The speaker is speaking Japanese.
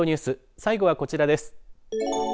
最後はこちらです。